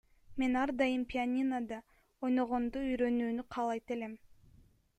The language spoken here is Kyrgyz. Мен ар дайым пианинодо ойногонду үйрөнүүнү каалайт элем.